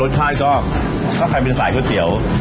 ใช่ก็ถ้าใครเป็นสายก๋วยเตี๋ยว